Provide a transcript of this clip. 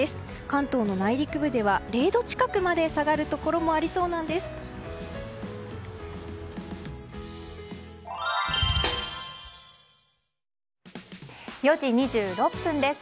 関東の内陸部では０度近くまで下がるところも４時２６分です。